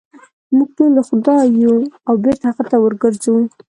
موږ ټول د خدای یو او بېرته هغه ته ورګرځو.